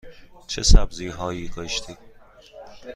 چه سبزی هایی کاشتی؟